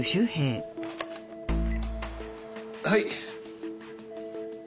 はい。